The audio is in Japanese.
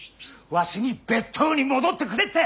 わしに別当に戻ってくれって！